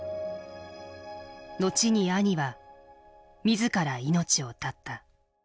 後に兄は自ら命を絶った。